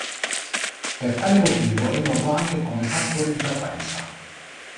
Per tale motivo è noto anche come fattore di frequenza.